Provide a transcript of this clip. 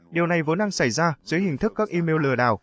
điều này vốn đang xảy ra dưới hình thức các email lừa đảo